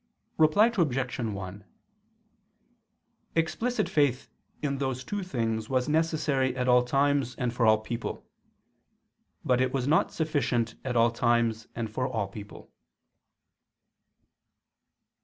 Reply Obj. 1: Explicit faith in those two things was necessary at all times and for all people: but it was not sufficient at all times and for all people.